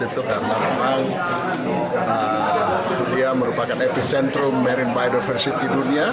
itu karena memang dia merupakan epicentrum marine biodiversity di dunia